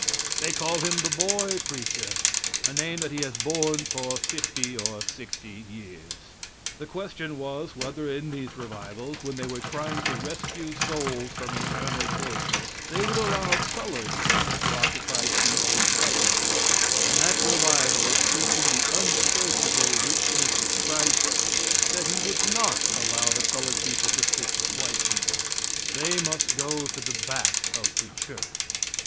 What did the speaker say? They call him the boy preacher a name that he has borne for fifty or sixty years. The question was whether in these revivals, when they were trying to rescue souls from eternal torture, they would allow colored people to occupy seats with white people, and that revivalist, preaching the unsearchable richness of Christ, said he would not allow the colored people to sit with white people; they must go to the back of the church.